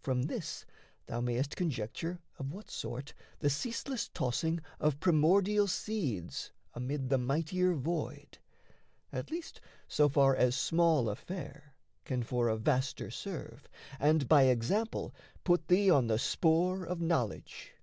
From this thou mayest conjecture of what sort The ceaseless tossing of primordial seeds Amid the mightier void at least so far As small affair can for a vaster serve, And by example put thee on the spoor Of knowledge.